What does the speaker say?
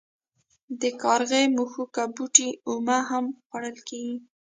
د کارغي مښوکه بوټی اومه هم خوړل کیږي.